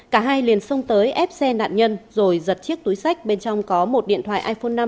cả hai liền xông tới ép xe nạn nhân rồi giật chiếc túi sách bên trong có một điện thoại iphone năm